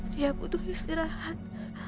dia butuh istirahat